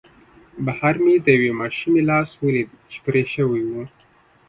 بهر مې د یوې ماشومې لاس ولید چې پرې شوی و